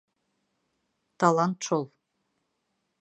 Талант шул.